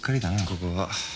ここは。